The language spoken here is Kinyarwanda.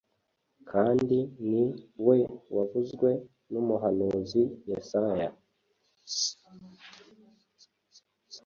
Kandi ni we wavuzwe n’umuhanuzi Yesaya